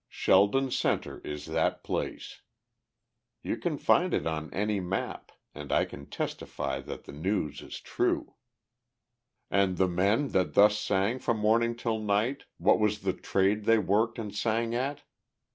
Sheldon Center is that place. You can find it on any map, and I can testify that the news is true. And the men that thus sang from morning till night what was the trade they worked and sang at?